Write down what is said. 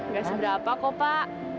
gak seberapa kok pak